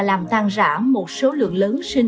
làm tan rã một số lượng lớn sinh